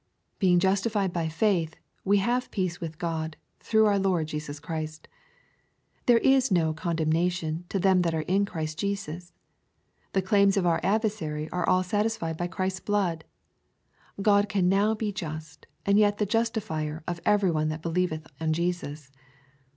Being justified by failh, we have peace with God, through our Lord Jesus Christ. There is no condemnation to them that are in Christ Jesus. The claims of our adversary are all satisfied by Christ's blood. Grod can now be just, and yet the jusii fier of every one that believeth on Jesus.